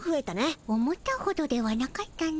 思ったほどではなかったの。